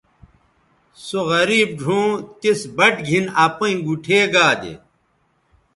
سو غریب ڙھؤں تِس بَٹ گِھن اپیئں گُوٹھے گا دے